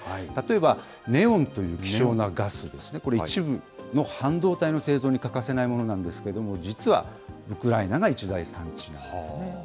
例えば、ネオンという希少なガスですね、これ、一部の半導体の製造に欠かせないものなんですけれども、実はウクライナが一大産地なんですね。